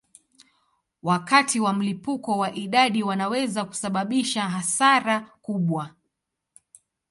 Wakati wa mlipuko wa idadi wanaweza kusababisha hasara kubwa.